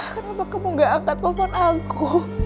kenapa kamu gak angkat telepon aku